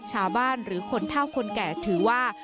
ชาวบ้านหรือคนเท่าคนแก่ถือว่า